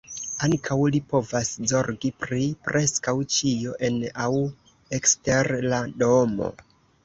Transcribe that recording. Ankaŭ li povas zorgi pri preskaŭ ĉio en aŭ ekster la domo.